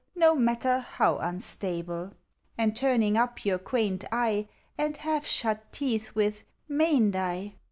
No matter how unstable, And turning up your quaint eye And half shut teeth, with '* Mayn't I?